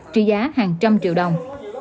trị giá hàng trăm triệu đồng